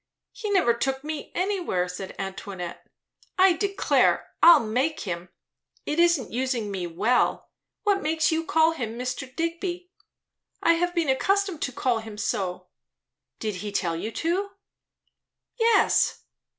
"He never took me anywhere," said Antoinette. "I declare, I'll make him. It isn't using me well. What makes you call him Mr. Digby?" "I have been accustomed to call him so." "Did he tell you to?" "Yes."